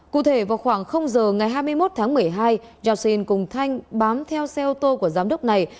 cụ thể vào khoảng giờ ngày hai mươi một tháng một mươi hai yao xin cùng thanh bám theo xe ô tô của giám đốc này